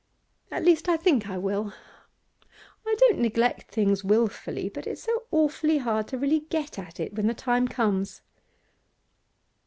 At least, I think I will. I don't neglect things wilfully, but it's so awfully hard to really get at it when the time comes.